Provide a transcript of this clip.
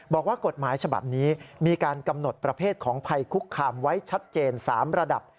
บอกว่ากฎหมายฉบับนี้มีการกำหนดประเภทของภัยคุกคามไว้ชัดเจน๓ระดับ